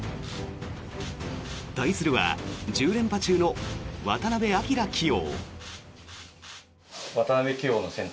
対するは１０連覇中の渡辺明棋王。